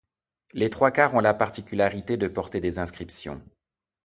Les trois quarts ont la particularité de porter des inscriptions.